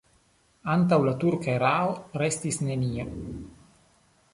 Antaŭ la turka erao restis nenio.